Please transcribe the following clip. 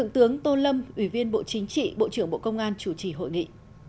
tôn lâm ủy viên bộ chính trị bộ trưởng bộ công an chủ trì hội nghị